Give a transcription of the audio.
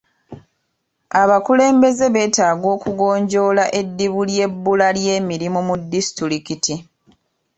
Abakulembeze beetaaga okugonjoola eddibu ery'ebbula ly'emirimu mu disitulikiti .